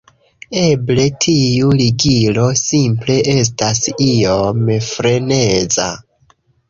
Eble tiu ligilo simple estas iom freneza"